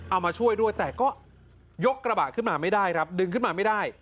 เอามาช่วยด้วยแต่ก็ยกกระบะขึ้นมาไม่ได้ครับดึงขึ้นมาไม่ได้